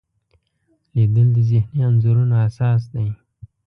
لیدل د ذهني انځورونو اساس دی